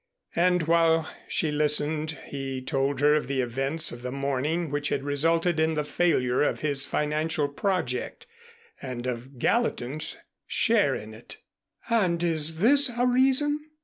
And while she listened he told her of the events of the morning which had resulted in the failure of his financial project and of Gallatin's share in it. "And is this a reason?